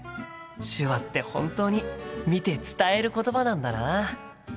手話って本当に見て伝えることばなんだな。